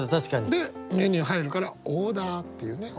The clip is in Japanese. でメニュー入るから「オーダー」っていうね。